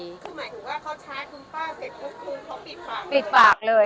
คือหมายถึงว่าเขาชาร์จคุ้มป้าเสร็จคุ้มเขาปิดปากเลย